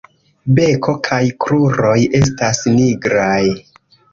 Beko kaj kruroj estas nigraj.